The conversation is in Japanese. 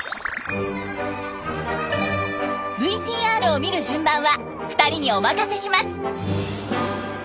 ＶＴＲを見る順番は２人にお任せします。